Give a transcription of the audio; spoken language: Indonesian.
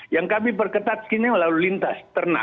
yang kami perketatkan ini melalui lintas ternak